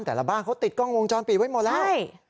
บ้านเขาติดกล้องวงจรปิดไว้หมดแล้ว